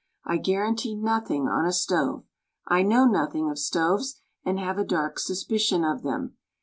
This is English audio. I guarantee nothing on a stove. I know nothing of stoves, and have a dark suspicion of them.